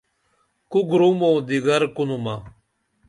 کو گُرُم او دیگر گنُمہ